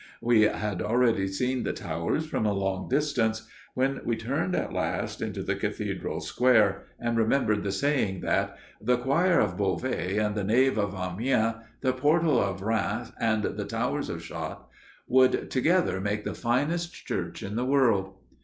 We had already seen the towers from a long distance, when we turned at last into the cathedral square, and remembered the saying that "The choir of Beauvais and the nave of Amiens, the portal of Rheims and the towers of Chartres would together make the finest church in the world."